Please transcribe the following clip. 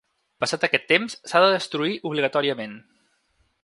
Passat aquest temps s’ha de destruir obligatòriament.